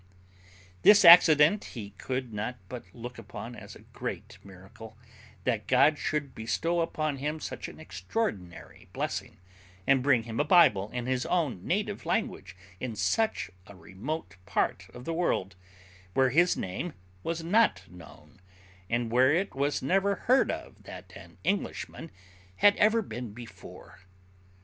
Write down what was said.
This accident he could not but look upon as a great miracle, that God should bestow upon him such an extraordinary blessing, and bring him a Bible in his own native language, in such a remote part of the world, where His name was not known, and where it was never heard of that an Englishman had ever been before.